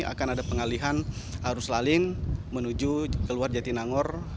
akan ada pengalihan arus laling menuju keluar jatinangor